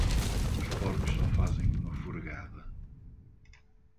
Os porcos só fazem uma furgada.